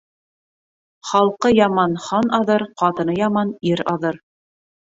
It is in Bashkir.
Халҡы яман хан аҙыр, ҡатыны яман ир аҙыр.